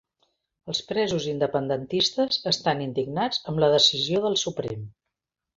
Els presos independentistes estan indignats amb la decisió del Suprem.